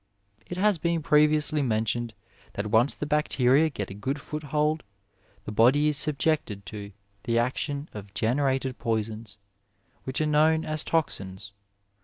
It has been previously mentioned that once the bacteria get a good foothold the body is subjected to the action of generated poisons, which are known as toxins.